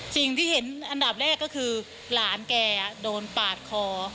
สิ่งที่เห็นอันดับแรกก็คือหลานแกโดนปาดคอ